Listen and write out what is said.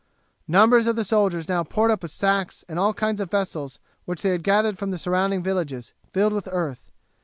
Numbers of the soldiers now poured up with sacks and all kinds of vessels which they had gathered from the surrounding villages, filled with earth.